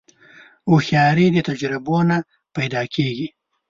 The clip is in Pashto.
هوښیاري د تجربو نه پیدا کېږي.